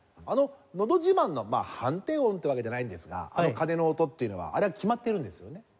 あの『のど自慢』の判定音ってわけじゃないんですがあの鐘の音っていうのはあれは決まってるんですよね？